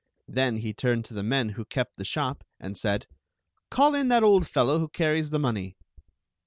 Then he turned to the men who kept the shop and said: " Call in that old fellow who carries the money."